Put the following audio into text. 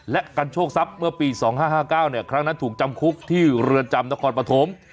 และกันโชคทรัพย์เมื่อปี๒๕๕๙ครั้งนั้นถูกจำคุกที่เรือนจำนครปฐม